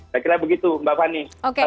saya kira begitu mbak fani